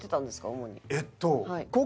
主に。